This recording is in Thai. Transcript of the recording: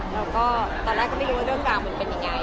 เราก็ตอนแรกไม่รู้ว่าเรื่องราวก็มันเป็นอย่างไร